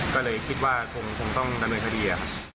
ก็เลยคิดว่าคงต้องรำเงินเค้าดี